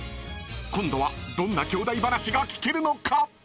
［今度はどんな兄弟話が聞けるのか？］